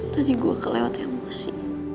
tadi gue kelewat emosi